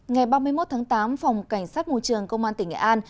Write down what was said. ngày ba mươi một tháng tám phòng cảnh sát môi trường công an tỉnh nghệ an